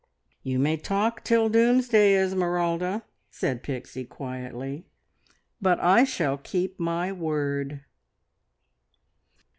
"You may talk till doomsday, Esmeralda," said Pixie quietly, "but I shall keep my word!"